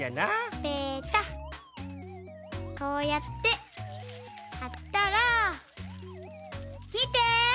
こうやってはったらみて！